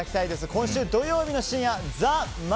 今週土曜日の深夜「ＴＨＥＭＡＧＩＣ」。